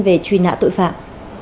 về truy nã tội phạm